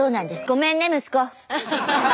ごめんね息子！